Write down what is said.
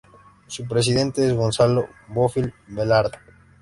Su presidente es Gonzalo Bofill Velarde.